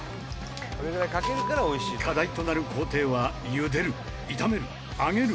課題となる工程は茹でる炒める揚げる。